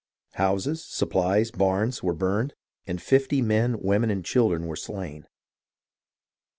Houses, supplies, barns were burned, and fifty men, women, and children were slain.